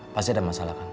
pasti ada masalah kan